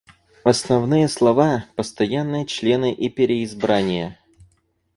Основные слова — постоянные члены и переизбрание.